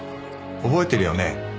覚えてるよね？